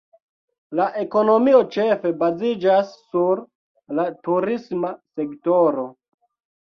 La ekonomio ĉefe baziĝas sur la turisma sektoro.